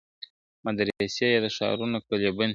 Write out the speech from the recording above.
مدرسې یې د ښارونو کړلې بندي ,